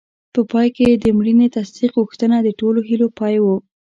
په پای کې د مړینې تصدیق غوښتنه د ټولو هیلو پای و.